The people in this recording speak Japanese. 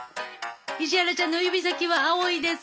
石原ちゃんの指先は青いです。